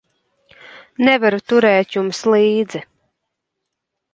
Nevaru turēt jums līdzi.